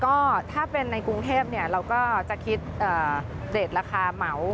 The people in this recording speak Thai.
ก็ถ้าเป็นในกรุงเทพเราก็จะคิดเดทราคาเหมา